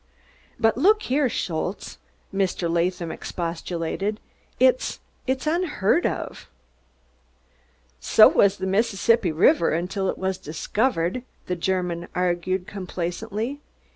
"But look here, Schultze," Mr. Latham expostulated, "it's it's unheard of." "So vas der Mizzizzippi River until id was discovered," the German argued complacently.